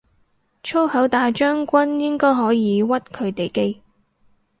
粗口大將軍應該可以屈佢哋機